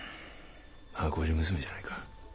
箱入り娘じゃないか。